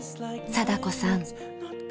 貞子さん。